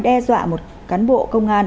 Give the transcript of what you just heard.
đe dọa một cán bộ công an